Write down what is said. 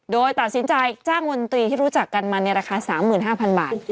โดยตัดสินใจจ้างมนตรีที่รู้จักกันมาในราคา๓๕๐๐บาท